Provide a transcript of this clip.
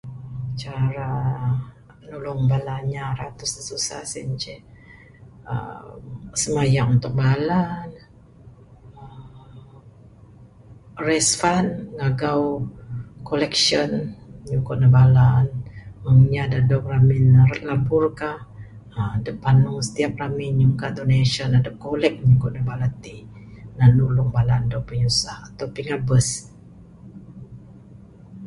Cara nulung bala inya ratus da susah sien inceh aaa, simayang untuk bala ne, raise fund, ngagau collection nyugon neg bala mung inya da dog ramin ne dok labur ka. Haaa, adep panu setiap ramin ne nyungka donation adep collect nyugon neg bala ti nan nulung bala ti dog pinyusah, dog pingabus.